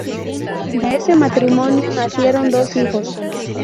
De ese matrimonio nacieron dos hijos.